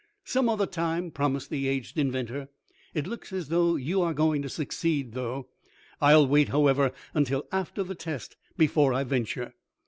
"Some other time," promised the aged inventor. "It looks as though you were going to succeed, though. I'll wait, however, until after the test before I venture."